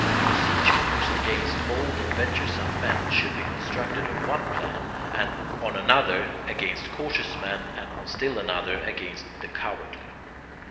For siege works against bold and venturesome men should be constructed on one plan, on another against cautious men, and on still another against the cowardly.